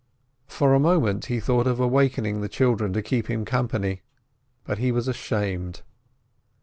For a moment he thought of awakening the children to keep him company, but he was ashamed.